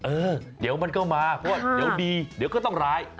เออเดี๋ยวมันก็มาเพราะว่าเดี๋ยวดีเดี๋ยวก็ต้องร้าย